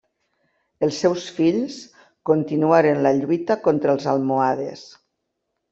Els seus fills continuaren la lluita contra els almohades.